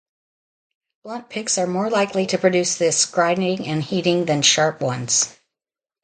Blunt picks are more likely to produce this grinding and heating than sharp ones.